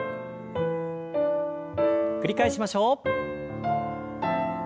繰り返しましょう。